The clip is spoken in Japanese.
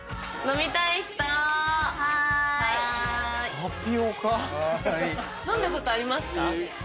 飲んだことありますか？